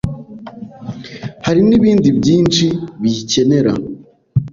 hari n’ibindi byinshi biyikenera